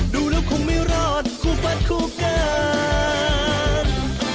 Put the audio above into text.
จะเอาอย่างนี้จะเอาอย่างนั้น